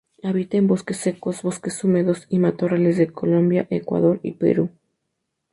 Habita en bosques secos, bosques húmedos y matorrales de Colombia, Ecuador y Perú.